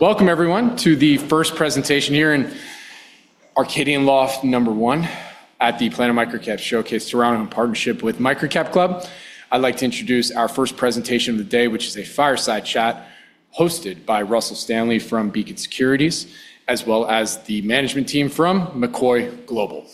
Welcome, everyone, to the first presentation here in Arcadian Loft number one at the Planet MicroCap Showcase Toronto in partnership with MicroCapClub. I'd like to introduce our first presentation of the day, which is a fireside chat hosted by Russell Stanley from Beacon Securities, as well as the management team from McCoy Global.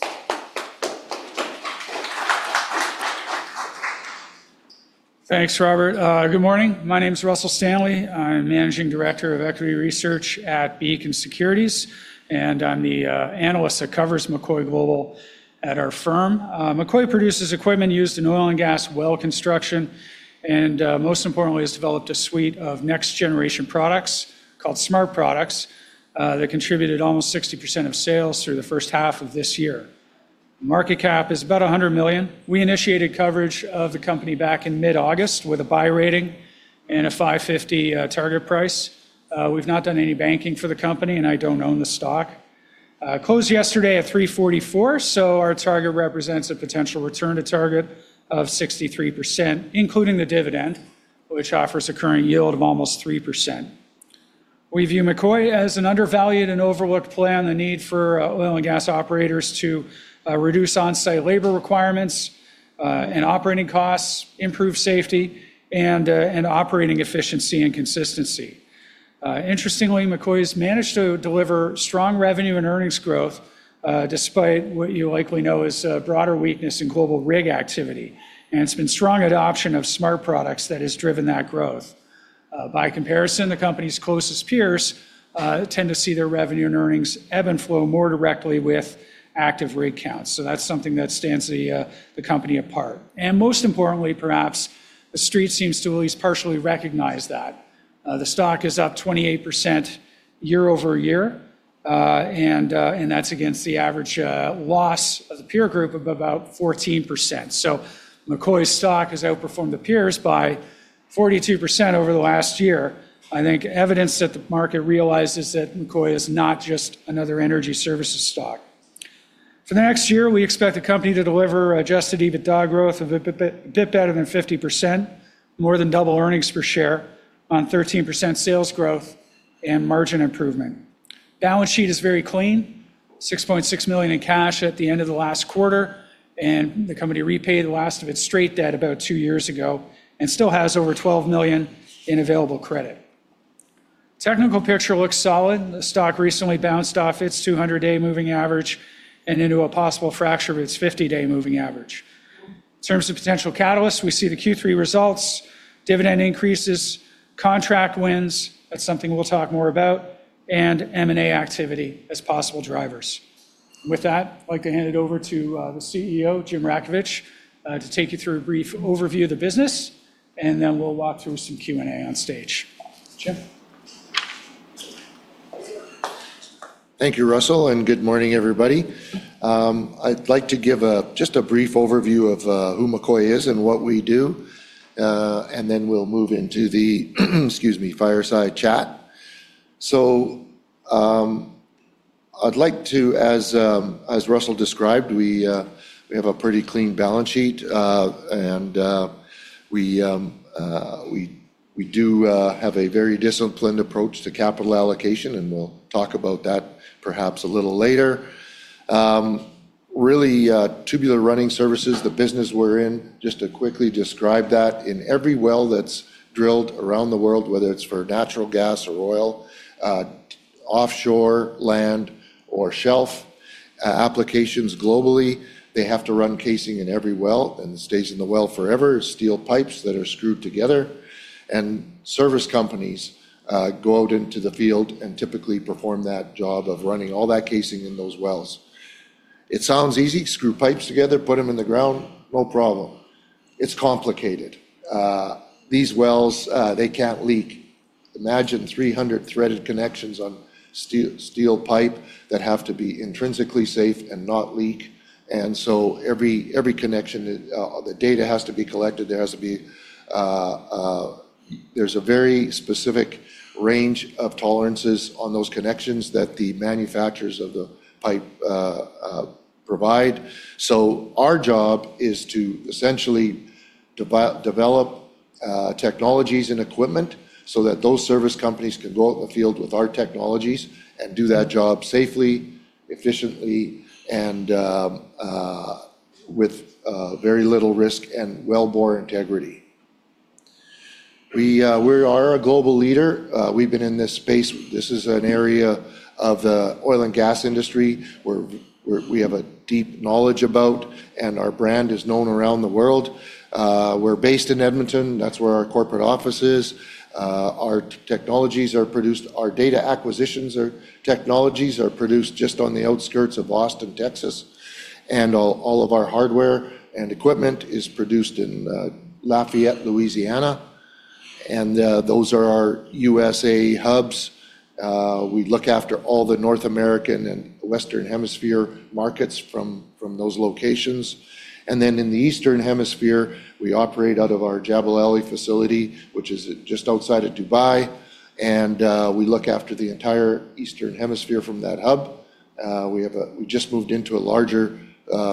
Thanks, Robert. Good morning. My name is Russell Stanley. I'm the Managing Director of Equity Research at Beacon Securities, and I'm the analyst that covers McCoy Global at our firm. McCoy produces equipment used in oil and gas well construction, and most importantly, has developed a suite of next-generation products called smart products that contributed almost 60% of sales through the first half of this year. The market cap is about $100 million. We initiated coverage of the company back in mid-August with a buy rating and a $5.50 target price. We've not done any banking for the company, and I don't own the stock. It closed yesterday at $3.44, so our target represents a potential return to target of 63%, including the dividend, which offers a current yield of almost 3%. We view McCoy as an undervalued and overlooked plan. The need for oil and gas operators to reduce on-site labor requirements and operating costs, improve safety, and operating efficiency and consistency. Interestingly, McCoy has managed to deliver strong revenue and earnings growth despite what you likely know as a broader weakness in global rig activity, and it's been strong adoption of smart products that has driven that growth. By comparison, the company's closest peers tend to see their revenue and earnings ebb and flow more directly with active rig counts. That is something that stands the company apart. Most importantly, perhaps the street seems to at least partially recognize that. The stock is up 28% year-over-year, and that's against the average loss of the peer group of about 14%. McCoy's stock has outperformed the peers by 42% over the last year. I think evidence that the market realizes that McCoy is not just another energy services stock. For the next year, we expect the company to deliver adjusted EBITDA growth of a bit better than 50%, more than double earnings per share on 13% sales growth and margin improvement. The balance sheet is very clean: $6.6 million in cash at the end of the last quarter, and the company repaid the last of its straight debt about two years ago and still has over $12 million in available credit. The technical picture looks solid. The stock recently bounced off its 200-day moving average and into a possible fracture of its 50-day moving average. In terms of potential catalysts, we see the Q3 results, dividend increases, contract wins, which is something we'll talk more about, and M&A activity as possible drivers. With that, I'd like to hand it over to the CEO, Jim Rakievich, to take you through a brief overview of the business, and then we'll walk through some Q&A on stage. Jim. Thank you, Russell, and good morning, everybody. I'd like to give just a brief overview of who McCoy is and what we do, and then we'll move into the fireside chat. As Russell described, we have a pretty clean balance sheet, and we do have a very disciplined approach to capital allocation, and we'll talk about that perhaps a little later. Really, tubular running services, the business we're in, just to quickly describe that, in every well that's drilled around the world, whether it's for natural gas or oil, offshore, land, or shelf applications globally, they have to run casing in every well and it stays in the well forever. Steel pipes that are screwed together, and service companies go out into the field and typically perform that job of running all that casing in those wells. It sounds easy. Screw pipes together, put them in the ground, no problem. It's complicated. These wells, they can't leak. Imagine 300 threaded connections on steel pipe that have to be intrinsically safe and not leak. Every connection, the data has to be collected. There is a very specific range of tolerances on those connections that the manufacturers of the pipe provide. Our job is to essentially develop technologies and equipment so that those service companies can go out in the field with our technologies and do that job safely, efficiently, and with very little risk and wellbore integrity. We are a global leader. We've been in this space. This is an area of the oil and gas industry where we have a deep knowledge, and our brand is known around the world. We're based in Edmonton. That's where our corporate office is. Our technologies are produced, our data acquisition technologies are produced just on the outskirts of Austin, Texas, and all of our hardware and equipment is produced in Lafayette, Louisiana. Those are our U.S.A. hubs. We look after all the North American and Western Hemisphere markets from those locations. In the Eastern Hemisphere, we operate out of our Jebel Ali facility, which is just outside of Dubai, and we look after the entire Eastern Hemisphere from that hub. We just moved into a larger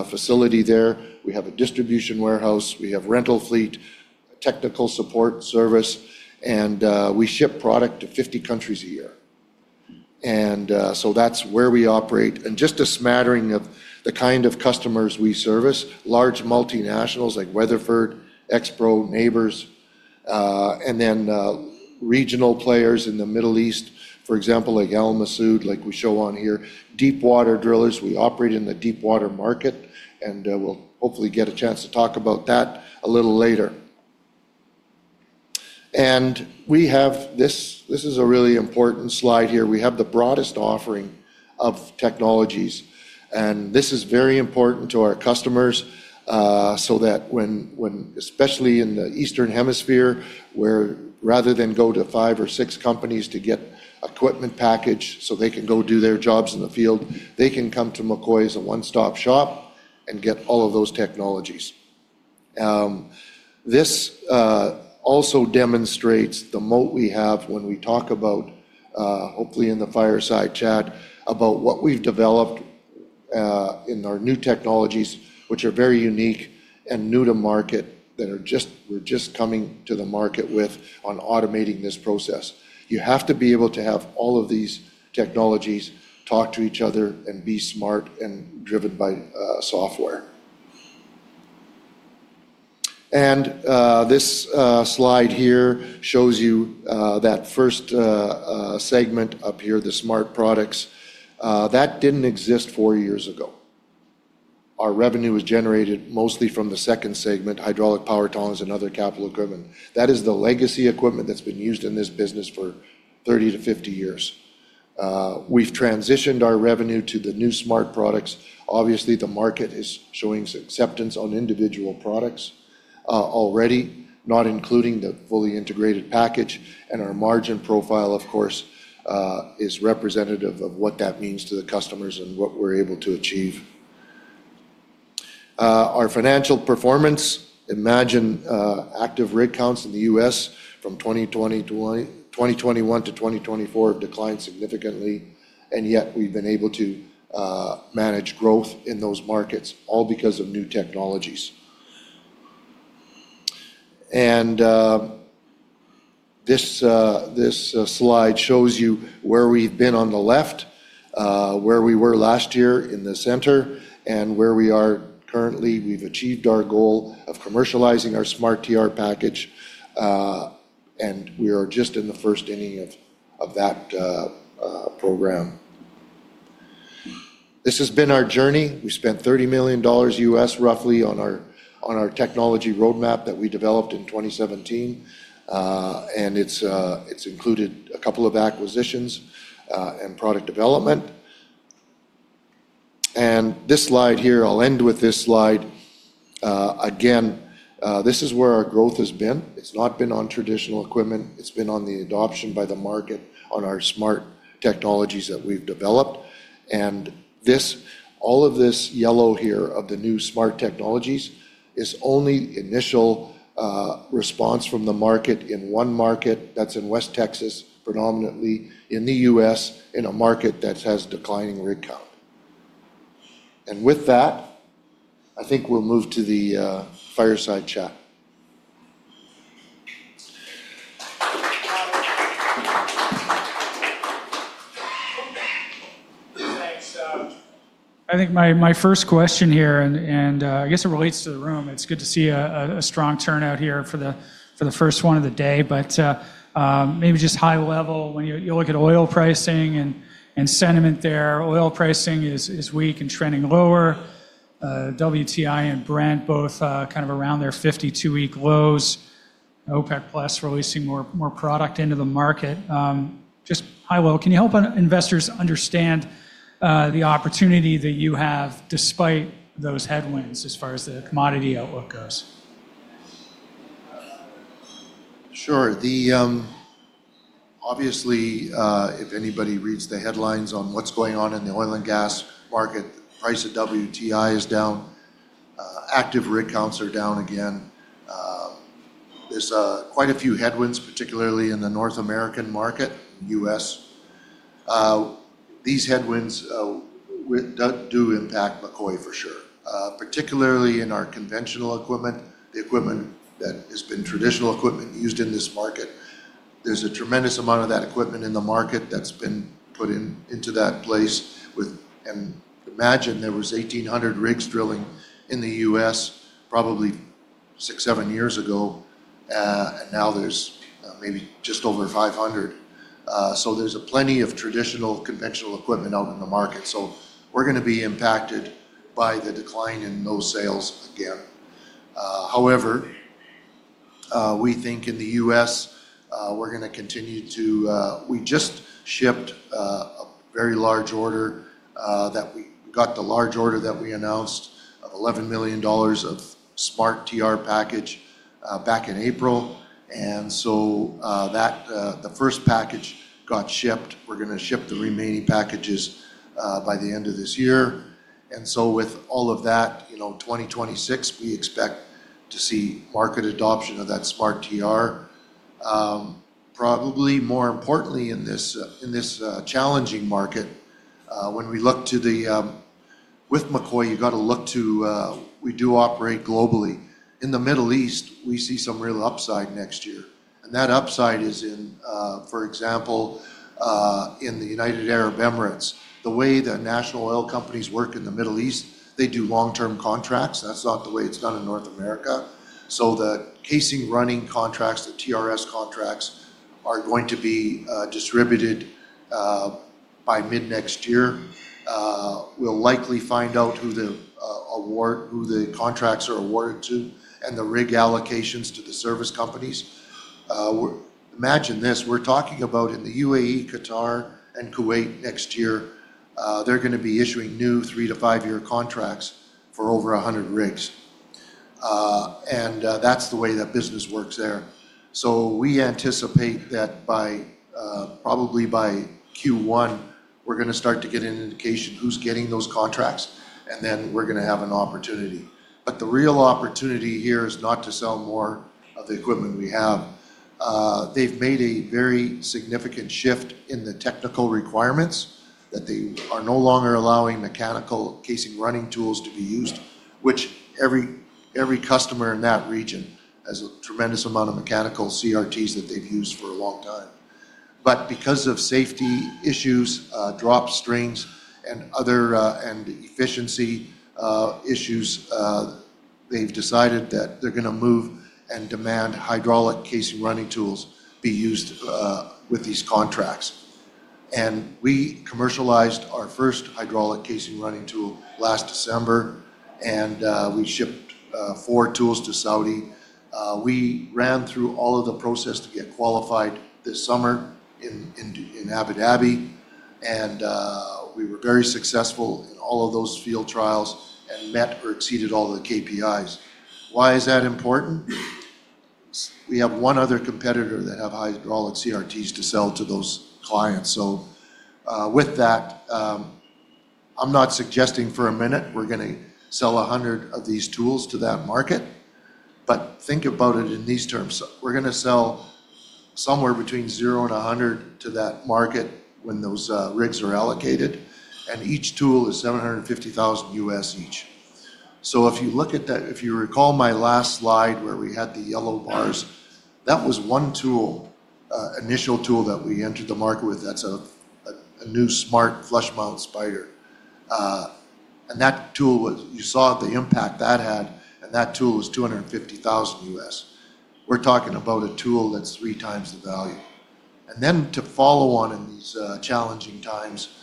facility there. We have a distribution warehouse. We have a rental fleet, technical support service, and we ship product to 50 countries a year. That's where we operate. Just a smattering of the kind of customers we service, large multinationals like Weatherford, Expro, Nabors, and then regional players in the Middle East, for example, like Al Masaood, like we show on here, deep water drillers. We operate in the deep water market, and we'll hopefully get a chance to talk about that a little later. This is a really important slide here. We have the broadest offering of technologies, and this is very important to our customers so that when, especially in the Eastern Hemisphere, where rather than go to five or six companies to get equipment packaged so they can go do their jobs in the field, they can come to McCoy as a one-stop shop and get all of those technologies. This also demonstrates the moat we have when we talk about, hopefully in the fireside chat, what we've developed in our new technologies, which are very unique and new to market that we're just coming to the market with on automating this process. You have to be able to have all of these technologies talk to each other and be smart and driven by software. This slide here shows you that first segment up here, the smart products. That didn't exist four years ago. Our revenue was generated mostly from the second segment, hydraulic power tonners and other capital equipment. That is the legacy equipment that's been used in this business for 30-50 years. We've transitioned our revenue to the new smart products. Obviously, the market is showing acceptance on individual products already, not including the fully integrated package, and our margin profile, of course, is representative of what that means to the customers and what we're able to achieve. Our financial performance, imagine active rig counts in the U.S. from 2021-2024 have declined significantly, yet we've been able to manage growth in those markets, all because of new technologies. This slide shows you where we've been on the left, where we were last year in the center, and where we are currently. We've achieved our goal of commercializing our smarTR package, and we are just in the first inning of that program. This has been our journey. We spent $30 million U.S. roughly on our technology roadmap that we developed in 2017, and it's included a couple of acquisitions and product development. This slide here, I'll end with this slide. This is where our growth has been. It's not been on traditional equipment. It's been on the adoption by the market on our smart technologies that we've developed. All of this yellow here of the new smart technologies is only the initial response from the market in one market. That's in West Texas, predominantly in the U.S., in a market that has declining rig count. With that, I think we'll move to the fireside chat. I think my first question here, and I guess it relates to the room, it's good to see a strong turnout here for the first one of the day. Maybe just high level, when you look at oil pricing and sentiment there, oil pricing is weak and trending lower. WTI and Brent both kind of around their 52-week lows. OPEC+ releasing more product into the market. Just high level, can you help investors understand the opportunity that you have despite those headwinds as far as the commodity outlook goes? Sure. Obviously, if anybody reads the headlines on what's going on in the oil and gas market, the price of WTI is down. Active rig counts are down again. There's quite a few headwinds, particularly in the North American market, U.S. These headwinds do impact McCoy for sure, particularly in our conventional equipment, the equipment that has been traditional equipment used in this market. There's a tremendous amount of that equipment in the market that's been put into that place. Imagine there were 1,800 rigs drilling in the U.S. probably six, seven years ago, and now there's maybe just over 500. There's plenty of traditional conventional equipment out in the market. We're going to be impacted by the decline in those sales again. However, we think in the U.S., we're going to continue to, we just shipped a very large order that we got, the large order that we announced of $11 million of smarTR package back in April. The first package got shipped. We're going to ship the remaining packages by the end of this year. With all of that, 2026, we expect to see market adoption of that smarTR. Probably more importantly in this challenging market, when we look to the, with McCoy, you've got to look to, we do operate globally. In the Middle East, we see some real upside next year. That upside is in, for example, in the United Arab Emirates. The way the national oil companies work in the Middle East, they do long-term contracts. That's not the way it's done in North America. The casing running contracts, the TRS contracts are going to be distributed by mid-next year. We'll likely find out who the contracts are awarded to and the rig allocations to the service companies. Imagine this, we're talking about in the UAE, Qatar, and Kuwait next year, they're going to be issuing new three to five-year contracts for over 100 rigs. That's the way that business works there. We anticipate that probably by Q1, we're going to start to get an indication who's getting those contracts, and then we're going to have an opportunity. The real opportunity here is not to sell more of the equipment we have. They've made a very significant shift in the technical requirements that they are no longer allowing mechanical casing running tools to be used, which every customer in that region has a tremendous amount of mechanical CRTs that they've used for a long time. Because of safety issues, drop strings, and efficiency issues, they've decided that they're going to move and demand hydraulic casing running tools be used with these contracts. We commercialized our first hydraulic casing running tool last December, and we shipped four tools to Saudi. We ran through all of the process to get qualified this summer in Abu Dhabi, and we were very successful in all of those field trials and met or exceeded all the KPIs. Why is that important? We have one other competitor that has hydraulic CRTs to sell to those clients. With that, I'm not suggesting for a minute we're going to sell 100 of these tools to that market, but think about it in these terms. We're going to sell somewhere between zero and 100 to that market when those rigs are allocated, and each tool is $750,000 U.S. each. If you look at that, if you recall my last slide where we had the yellow bars, that was one tool, initial tool that we entered the market with. That's a new smart flush mount spider. That tool was, you saw the impact that had, and that tool was $250,000 U.S. We're talking about a tool that's 3x the value. To follow on in these challenging times,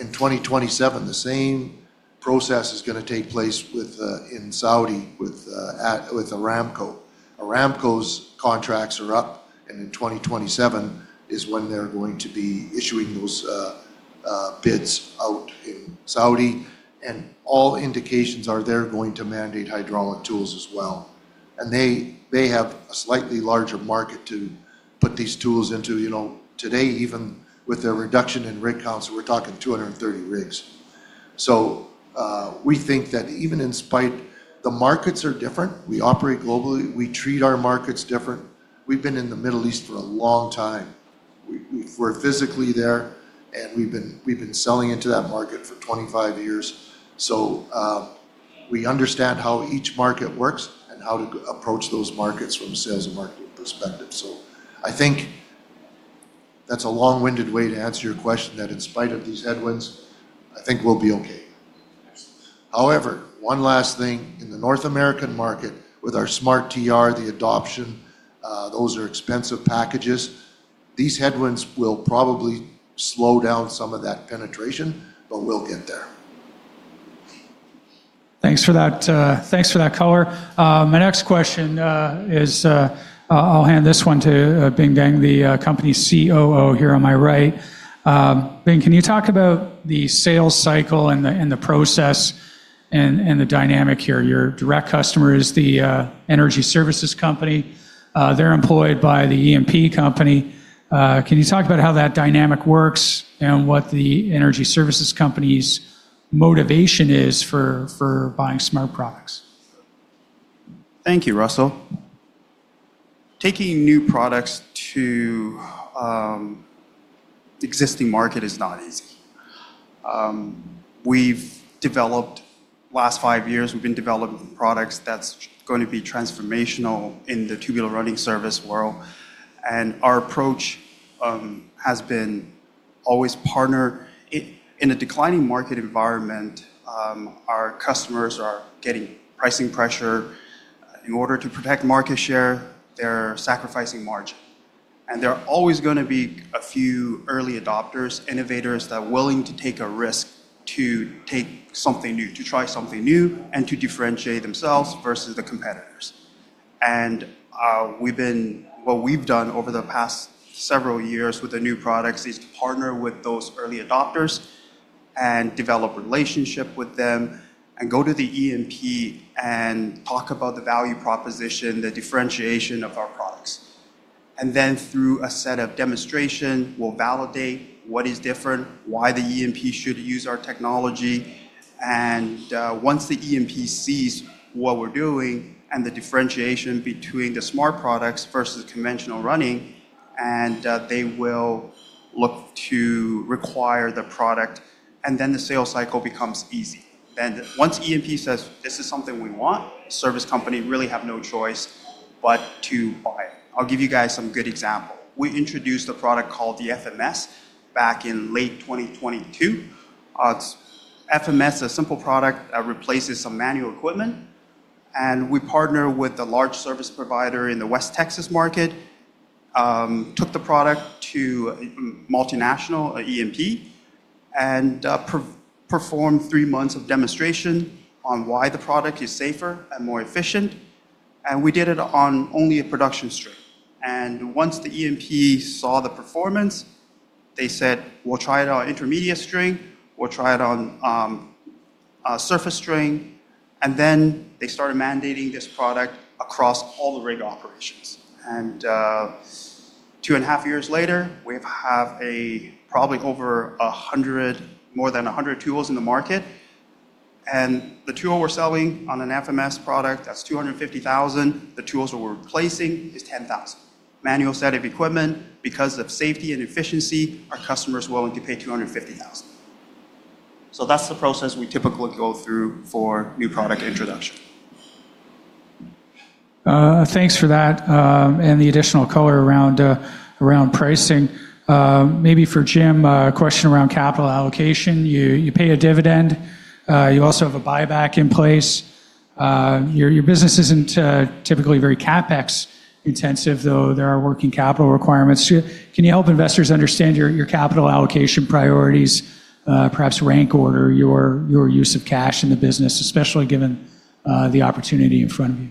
in 2027, the same process is going to take place in Saudi with Aramco. Aramco's contracts are up, and in 2027 is when they're going to be issuing those bids out in Saudi. All indications are they're going to mandate hydraulic tools as well. They have a slightly larger market to put these tools into. You know, today, even with their reduction in rig counts, we're talking 230 rigs. We think that even in spite, the markets are different. We operate globally. We treat our markets different. We've been in the Middle East for a long time. We're physically there, and we've been selling into that market for 25 years. We understand how each market works and how to approach those markets from a sales and marketing perspective. I think that's a long-winded way to answer your question that in spite of these headwinds, I think we'll be okay. However, one last thing in the North American market with our smarTR, the adoption, those are expensive packages. These headwinds will probably slow down some of that penetration, but we'll get there. Thanks for that color. My next question is, I'll hand this one to Bing Deng, the company's COO here on my right. Bing, can you talk about the sales cycle and the process and the dynamic here? Your direct customer is the energy services company. They're employed by the E&P company. Can you talk about how that dynamic works and what the energy services company's motivation is for buying smart products? Thank you, Russell. Taking new products to the existing market is not easy. We've developed, the last five years, we've been developing products that's going to be transformational in the tubular running service world. Our approach has been always partner in a declining market environment. Our customers are getting pricing pressure. In order to protect market share, they're sacrificing margin. There are always going to be a few early adopters, innovators that are willing to take a risk to take something new, to try something new, and to differentiate themselves versus the competitors. What we've done over the past several years with the new products is to partner with those early adopters and develop a relationship with them and go to the E&P and talk about the value proposition, the differentiation of our products. Through a set of demonstrations, we'll validate what is different, why the E&P should use our technology. Once the E&P sees what we're doing and the differentiation between the smart products versus conventional running, they will look to require the product, and the sales cycle becomes easy. Once E&P says this is something we want, the service company really has no choice but to buy it. I'll give you guys some good examples. We introduced a product called the FMS back in late 2022. FMS is a simple product that replaces some manual equipment. We partnered with a large service provider in the West Texas market, took the product to a multinational E&P, and performed three months of demonstration on why the product is safer and more efficient. We did it on only a production string. Once the E&P saw the performance, they said, we'll try it on intermediate string, we'll try it on surface string. They started mandating this product across all the rig operations. Two and a half years later, we have probably over 100, more than 100 tools in the market. The tool we're selling on an FMS product, that's $250,000. The tools that we're replacing are $10,000. Manual set of equipment, because of safety and efficiency, our customer is willing to pay $250,000. That's the process we typically go through for new product introduction. Thanks for that and the additional color around pricing. Maybe for Jim, a question around capital allocation. You pay a dividend. You also have a buyback in place. Your business isn't typically very CapEx intensive, though there are working capital requirements. Can you help investors understand your capital allocation priorities, perhaps rank order, your use of cash in the business, especially given the opportunity in front of you?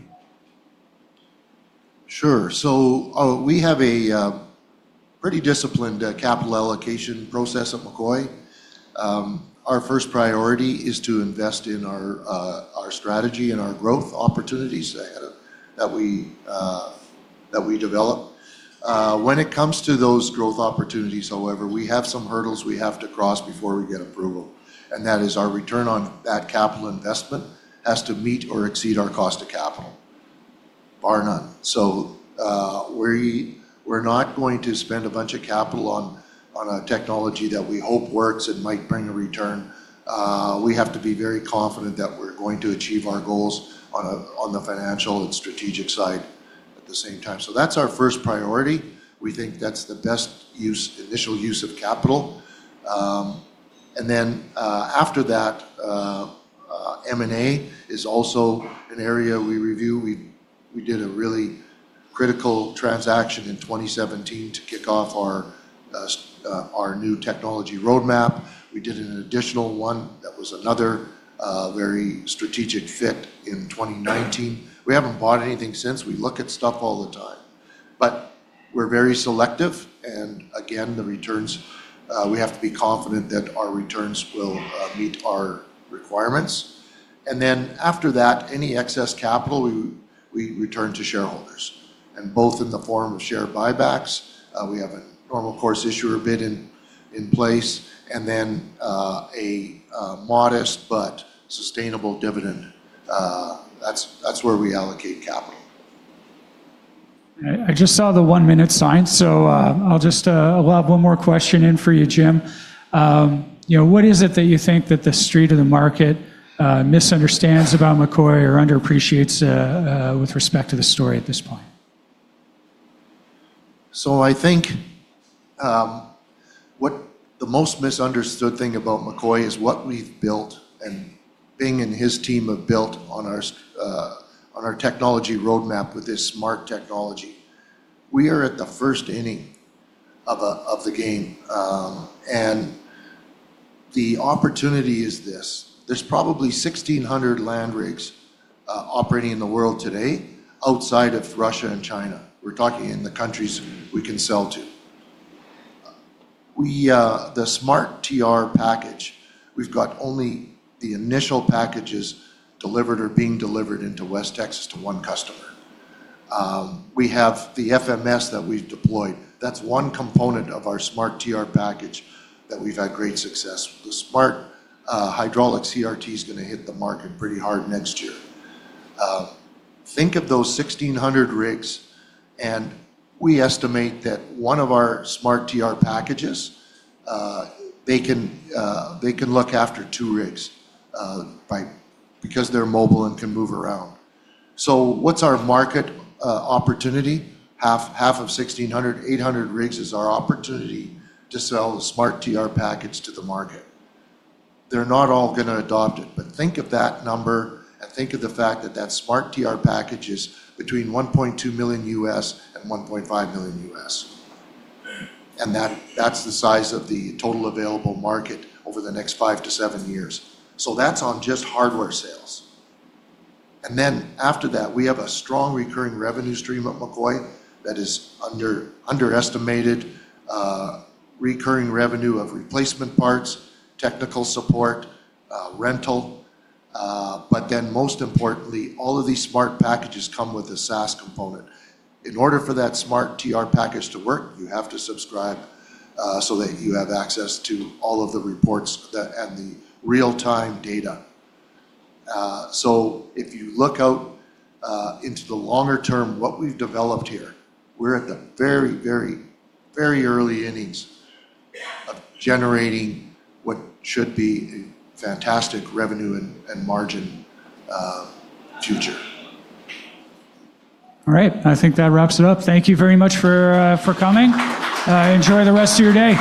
Sure. We have a pretty disciplined capital allocation process at McCoy. Our first priority is to invest in our strategy and our growth opportunities that we develop. When it comes to those growth opportunities, however, we have some hurdles we have to cross before we get approval. That is, our return on that capital investment has to meet or exceed our cost of capital, bar none. We're not going to spend a bunch of capital on a technology that we hope works and might bring a return. We have to be very confident that we're going to achieve our goals on the financial and strategic side at the same time. That's our first priority. We think that's the best initial use of capital. After that, M&A is also an area we review. We did a really critical transaction in 2017 to kick off our new technology roadmap. We did an additional one that was another very strategic fit in 2019. We haven't bought anything since. We look at stuff all the time. We're very selective. Again, the returns, we have to be confident that our returns will meet our requirements. After that, any excess capital, we return to shareholders, both in the form of share buybacks—we have a normal course issuer bid in place—and then a modest but sustainable dividend. That's where we allocate capital. I just saw the one minute sign. I'll have one more question in for you, Jim. What is it that you think that the street or the market misunderstands about McCoy or underappreciates with respect to the story at this point? I think what the most misunderstood thing about McCoy is what we've built and Bing and his team have built on our technology roadmap with this smart technology. We are at the first inning of the game. The opportunity is this. There's probably 1,600 land rigs operating in the world today outside of Russia and China. We're talking in the countries we can sell to. The smarTR package, we've got only the initial packages delivered or being delivered into West Texas to one customer. We have the FMS that we've deployed. That's one component of our smarTR package that we've had great success with. The Smart Hydraulic CRT is going to hit the market pretty hard next year. Think of those 1,600 rigs, and we estimate that one of our smarTR packages can look after two rigs because they're mobile and can move around. What's our market opportunity? Half of 1,600, 800 rigs, is our opportunity to sell the smarTR package to the market. They're not all going to adopt it, but think of that number and think of the fact that that smarTR package is between $1.2 million U.S. and $1.5 million U.S. That's the size of the total available market over the next five to seven years. That's on just hardware sales. After that, we have a strong recurring revenue stream at McCoy that is underestimated. Recurring revenue of replacement parts, technical support, rental. Most importantly, all of these smart packages come with a SaaS component. In order for that smarTR package to work, you have to subscribe so that you have access to all of the reports and the real-time data. If you look out into the longer term, what we've developed here, we're at the very, very, very early innings of generating what should be a fantastic revenue and margin future. All right. I think that wraps it up. Thank you very much for coming. Enjoy the rest of your day.